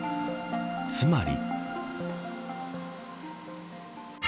つまり。